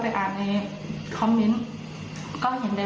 เพราะว่าลูกสองคนก็ลูกเขาอย่างน้อย